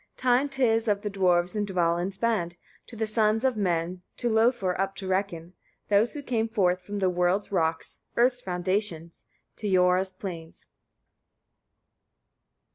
14. Time 'tis of the dwarfs in Dvalin's band, to the sons of men, to Lofar up to reckon, those who came forth from the world's rock, earth's foundation, to Iora's plains.